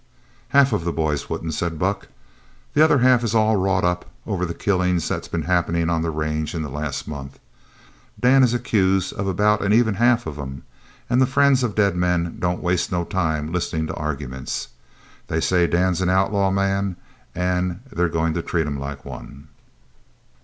"Half of the boys wouldn't," said Buck. "The other half is all wrought up over the killings that's been happenin' on the range in the last month. Dan is accused of about an even half of 'em, an' the friends of dead men don't waste no time listenin' to arguments. They say Dan's an outlawed man an' that they're goin' to treat him like one."